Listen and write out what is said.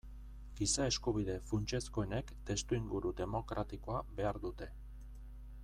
Giza-eskubide funtsezkoenek testuinguru demokratikoa behar dute.